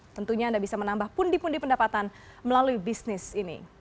tentunya anda bisa menambah pundi pundi pendapatan melalui bisnis ini